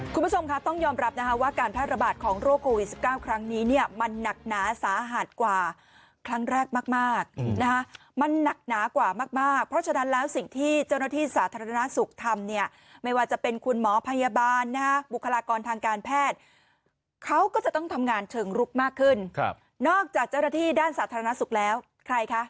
คุณผู้ชมค่ะต้องยอมรับนะคะว่าการแพร่ระบาดของโรคโควิด๑๙ครั้งนี้เนี่ยมันหนักหนาสาหัสกว่าครั้งแรกมากมากนะฮะมันหนักหนากว่ามากมากเพราะฉะนั้นแล้วสิ่งที่เจ้าหน้าที่สาธารณสุขทำเนี่ยไม่ว่าจะเป็นคุณหมอพยาบาลนะฮะบุคลากรทางการแพทย์เขาก็จะต้องทำงานเชิงลุกมากขึ้นครับนอกจากเจ้าหน้าที่ด้านสาธารณสุขแล้วใครคะ